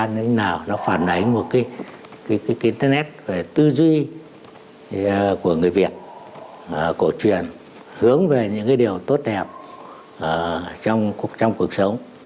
như thế nào nó phản ánh một cái cái nét về tư duy của người việt cổ truyền hướng về những cái điều tốt đẹp trong cuộc sống